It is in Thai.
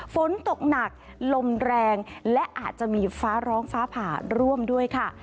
ฝนตกหนักลมแรงและอาจจะมีฟ้าร้องฟ้าผ่าร่วมด้วยค่ะ